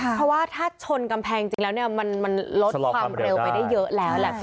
เพราะว่าถ้าชนกำแพงจริงแล้วเนี่ยมันลดความเร็วไปได้เยอะแล้วแหละ